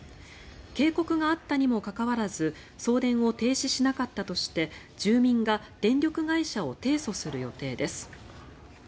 警告があったにもかかわらず送電を停止しなかったとして住民が電力会社を提訴する予定です。